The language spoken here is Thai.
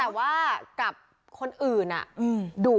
แต่ว่ากับคนอื่น